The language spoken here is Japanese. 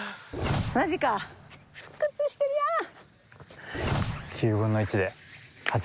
マジか復活してるやん！